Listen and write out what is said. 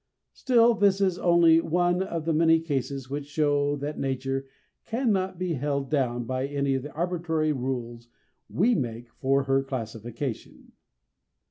still this is only one of the many cases which show that nature cannot be held down by any of the arbitrary rules we make for her classification.